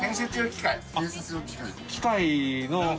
機械の。